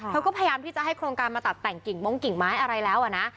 พยายามที่จะให้โครงการมาตัดแต่งกิ่งมงกิ่งไม้อะไรแล้วนะ